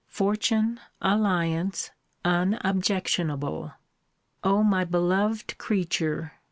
Fortune, alliance, unobjectionable! O my beloved creature!